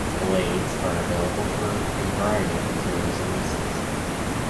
Blades are available for a variety of materials and uses.